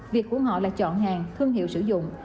việc của họ là chọn hàng thương hiệu sử dụng